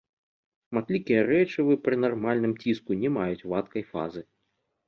Шматлікія рэчывы пры нармальным ціску не маюць вадкай фазы.